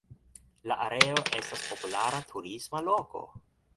La areo estas populara turisma loko.